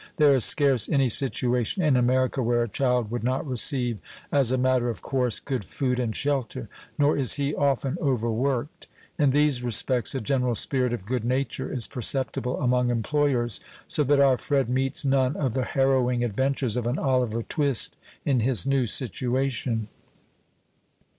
There is scarce any situation in America where a child would not receive, as a matter of course, good food and shelter; nor is he often overworked. In these respects a general spirit of good nature is perceptible among employers, so that our Fred meets none of the harrowing adventures of an Oliver Twist in his new situation.